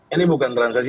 ini bukan transaksi